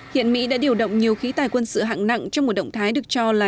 hiện mỹ đã điều động nhiều khí tài quân sự hạng nặng trong một động thái được cho là